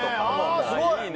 あすごい！